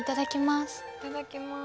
いただきます。